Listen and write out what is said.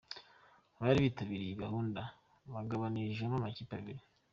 Abari bitabiriye iyi gahunda bagabanijwemo amakipe abiri.